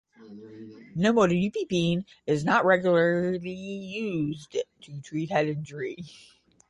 Nimodipine is not regularly used to treat head injury.